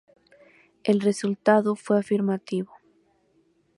El resultado fue afirmativo.